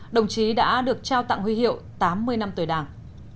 đồng chí đã được trao tặng huy hiệu tám mươi năm tuổi đảng